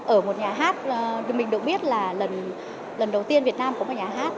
ở một nhà hát mình được biết là lần đầu tiên việt nam có một nhà hát